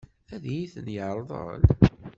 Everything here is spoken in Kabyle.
Ad iyi-ten-yeṛḍel?